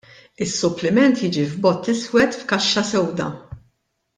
Is-suppliment jiġi f'bott iswed f'kaxxa sewda.